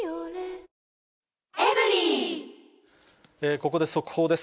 ここで速報です。